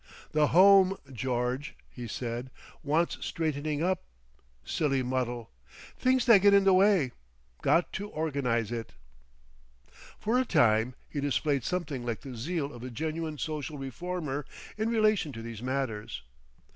"The Home, George," he said, "wants straightening up. Silly muddle! Things that get in the way. Got to organise it." For a time he displayed something like the zeal of a genuine social reformer in relation to these matters.